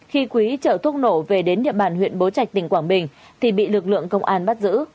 khi quý chở thuốc nổ về đến địa bàn huyện bố trạch tỉnh quảng bình thì bị lực lượng công an bắt giữ